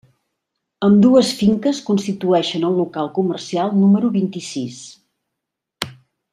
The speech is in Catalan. Ambdues finques constitueixen el local comercial número vint-i-sis.